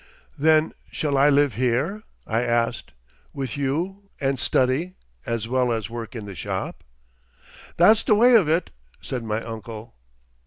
"Then shall I live here?" I asked, "with you, and study... as well as work in the shop?" "That's the way of it," said my uncle.